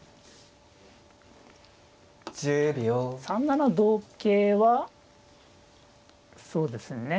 ３七同桂はそうですね。